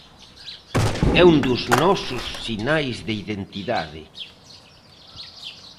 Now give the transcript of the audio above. É un dos nosos sinais de identidade.